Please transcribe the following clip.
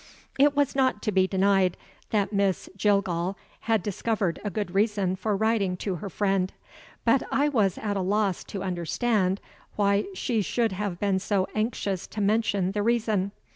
It was not to be denied that Miss Jillgall had discovered a good reason for writing to her friend; but I was at a loss to understand why she should have been so anxious to mention the reason.